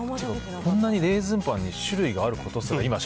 こんなにレーズンパンに種類があそうなんですよ。